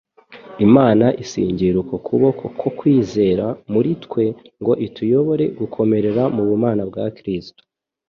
Imana isingira uko kuboko ko kwizera muri twe ngo ituyobore gukomerera mu bumana bwa Kristo